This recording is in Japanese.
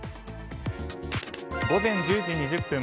午前１０時２０分